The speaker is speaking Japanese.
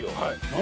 何？